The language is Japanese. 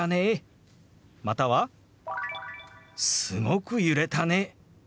または「すごく揺れたね」。